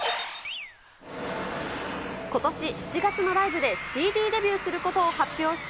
ことし７月のライブでＣＤデビューすることを発表した